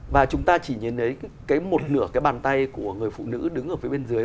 và chúng ta chỉ nhìn thấy cái một nửa cái bàn tay của người phụ nữ đứng ở phía bên dưới